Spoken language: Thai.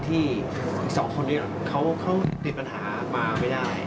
ที่สองคนนี้เขาติดปัญหามาไม่ได้